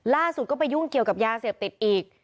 ล่าสุดก็ไปยุ่งเกี่ยวกับยาเสพติดอีก